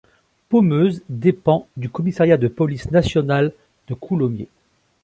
Pommeuse dépend du commissariat de police nationale de Coulommiers.